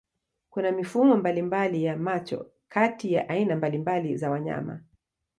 Kuna mifumo mbalimbali ya macho kati ya aina mbalimbali za wanyama.